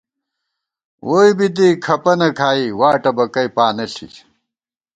ووئی بی دی کھپَنہ کھائی واٹہ بَکئ پانہ ݪی